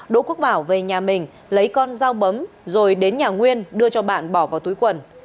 đỗ quốc bảo về nhà mình lấy con dao bấm rồi đến nhà nguyên đưa cho bạn bỏ vào túi quần